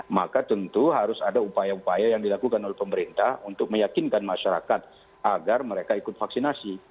maka tentu harus ada upaya upaya yang dilakukan oleh pemerintah untuk meyakinkan masyarakat agar mereka ikut vaksinasi